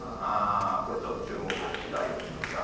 これちょっと注目ですね、来月６日。